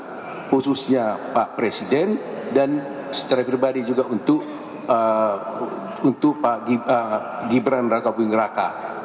saya khususnya pak presiden dan secara pribadi juga untuk pak gibran raka buming raka